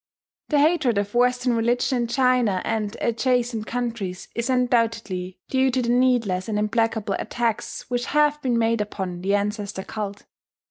The hatred of Western religion in China and adjacent countries is undoubtedly due to the needless and implacable attacks which have been made upon the ancestor cult.